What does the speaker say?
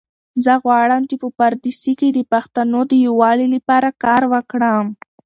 زه غواړم چې په پردیسۍ کې د پښتنو د یووالي لپاره کار وکړم.